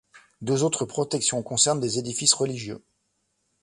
Deux autres protections concernent des édifices religieux.